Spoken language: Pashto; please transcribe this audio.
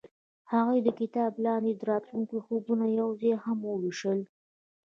هغوی د کتاب لاندې د راتلونکي خوبونه یوځای هم وویشل.